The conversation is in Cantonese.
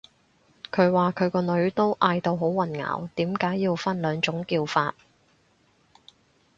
佢話佢個女都嗌到好混淆，點解要分兩種叫法